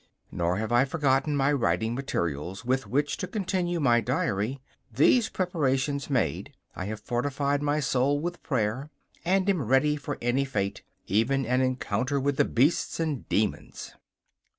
Nor have I forgotten my writing materials with which to continue my diary. These preparations made, I have fortified my soul with prayer, and am ready for any fate, even an encounter with the beasts and demons.